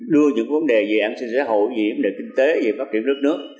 đưa những vấn đề về an sinh xã hội về vấn đề kinh tế về phát triển đất nước